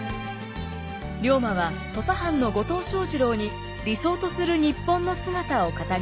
龍馬は土佐藩の後藤象二郎に理想とする日本の姿を語りました。